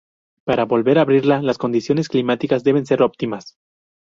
Para volver a abrirla, las condiciones climáticas deben ser óptimas.